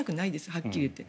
はっきり言って。